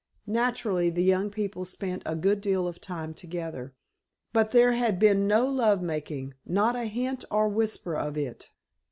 Naturally, the young people spent a good deal of time together. But there had been no love making—not a hint or whisper of it!